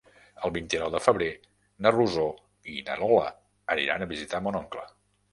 El vint-i-nou de febrer na Rosó i na Lola aniran a visitar mon oncle.